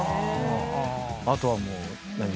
あとはもう何？